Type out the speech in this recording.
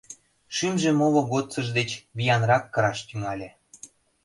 Шӱмжӧ моло годсыж деч виянрак кыраш тӱҥале.